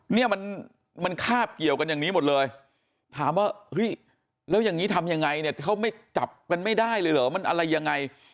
เนี่ยมันคาบเกี่ยวกันอย่างนี้หมดเลยถามว่าเฮ้ยแล้วอย่างนี้ทำยังไงเนี่ยเขาไม่จับกันไม่ได้เลยเหรอมันอะไรยังไง